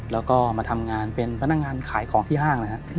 แล้วก็มาทำงานเป็นพนักงานขายของที่ห้างนะครับ